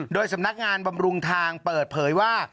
โดยสำนักงานบำรุงทางเปิดเผยว่า